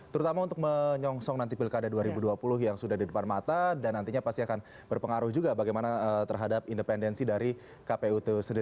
terutama untuk menyongsong nanti pilkada dua ribu dua puluh yang sudah di depan mata dan nantinya pasti akan berpengaruh juga bagaimana terhadap independensi dari kpu itu sendiri